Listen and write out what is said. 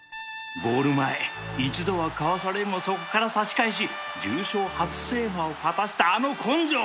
ゴール前一度はかわされるもそっから差し返し重賞初制覇を果たしたあの根性！